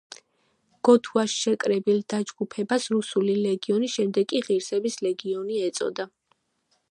გოთუას შეკრებილ დაჯგუფებას „რუსული ლეგიონი“, შემდეგ კი „ღირსების ლეგიონი“ ეწოდა.